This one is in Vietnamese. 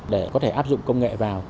để có thể áp dụng công nghệ vào